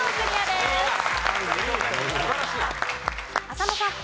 浅野さん。